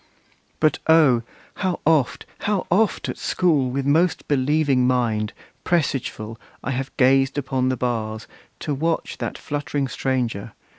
But O! how oft, How oft, at school, with most believing mind, Presageful, have I gazed upon the bars, To watch that fluttering stranger!